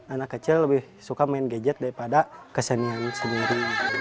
anak kecil lebih suka main gadget daripada kesenian sendiri